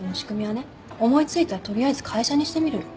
思い付いたら取りあえず会社にしてみるの。